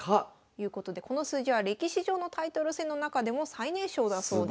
いうことでこの数字は歴史上のタイトル戦の中でも最年少だそうです。